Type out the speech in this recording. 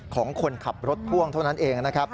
ของคนขับรถพ่วงเท่านั้นเองนะครับ